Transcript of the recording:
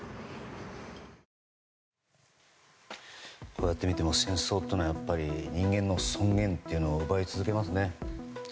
こうやってみると戦争というのは人間の尊厳というのを奪い続けますね。